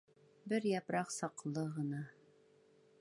Бер япраҡ саҡлы ғына...